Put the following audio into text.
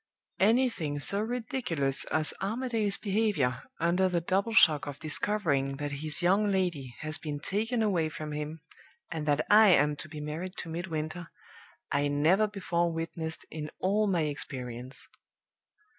"Anything so ridiculous as Armadale's behavior under the double shock of discovering that his young lady has been taken away from him, and that I am to be married to Midwinter, I never before witnessed in all my experience.